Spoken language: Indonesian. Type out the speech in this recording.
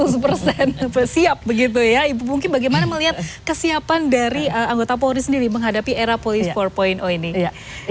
siap begitu ya ibu mungkin bagaimana melihat kesiapan dari anggota polri sendiri menghadapi era polis empat ini